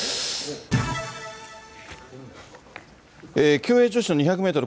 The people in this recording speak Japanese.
競泳女子の２００メートル